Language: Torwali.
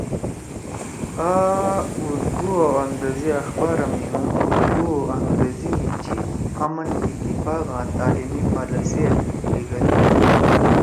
آ ارود او أنگریزی اخبارا می ہُم اردو او انگریزی می جیِب، آمن، اتفاق آں تعلیمی پالیسیا زید لیِگدُو۔